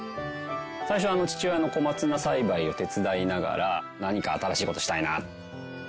最初は父親の小松菜栽培を手伝いながら何か新しい事したいな。